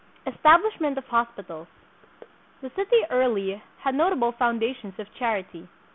Establishment of Hospitals. The city early had nota ble foundations of charity.